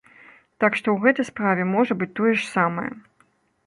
Так што ў гэтай справе можа быць тое ж самае.